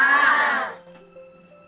yang akan saya pergunakan untuk jualan jajan